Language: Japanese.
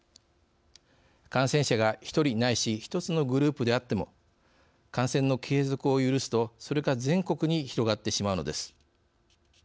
感染者が１人ないし１つのグループであっても感染の継続を許すと、それが全国に広がってしまうのです。